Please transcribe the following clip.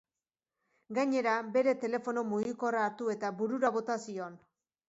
Gainera, bere telefono mugikorra hartu eta burura bota zion.